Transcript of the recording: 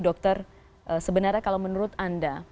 dokter sebenarnya kalau menurut anda